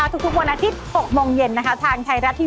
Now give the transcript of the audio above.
ตอนนี้ตอนนี้ตอนนี้